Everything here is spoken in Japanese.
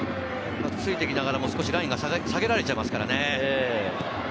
ついていきながらもラインが少し下げられちゃいますからね。